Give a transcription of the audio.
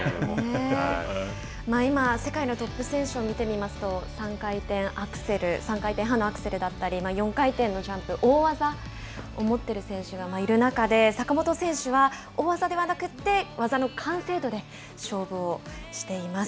今、世界のトップ選手を見てみますと３回転アクセル３回転半のアクセルだったり４回転のジャンプ大技を持っている選手がいる中で坂本選手は、大技ではなくてわざの完成度で勝負をしています。